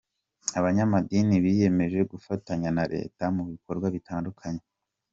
Abanyamadini biyemeje gufatanya na Leta mu bikorwa bitandukanye.